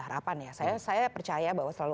harapan ya saya percaya bahwa selalu